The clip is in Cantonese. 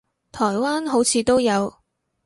台灣好似都有